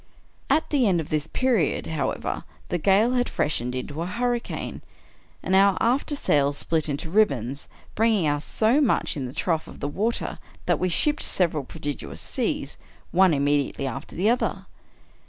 At the end of this period, however, the gale had freshened into a hurricane, and our after sail split into ribbons, bring ing us so much in the trough of the water that we shipped several prodigious seas, one immediately after the other.